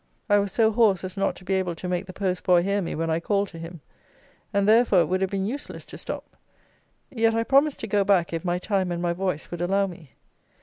I was so hoarse as not to be able to make the post boy hear me when I called to him; and, therefore, it would have been useless to stop; yet I promised to go back if my time and my voice would allow me.